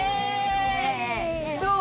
どう？